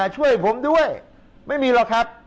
ช่วยผมด้วยไม่มีหรอกครับ